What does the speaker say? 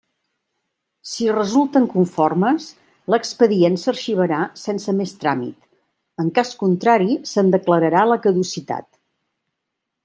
Si resulten conformes, l'expedient s'arxivarà sense més tràmit; en cas contrari se'n declararà la caducitat.